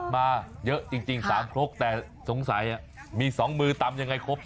มาเยอะจริง๓ครกแต่สงสัยมี๒มือตำยังไงครบ